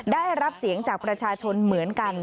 ได้รับเสียงจากประชาชนเหมือนกัน